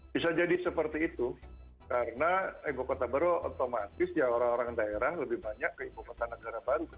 bisa jadi seperti itu karena ibu kota baru otomatis ya orang orang daerah lebih banyak ke ibu kota negara baru